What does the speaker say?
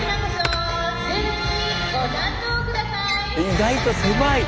意外と狭い！